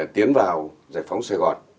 tiến vào giải phóng sài gòn